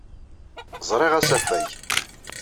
Ẓriɣ asafag.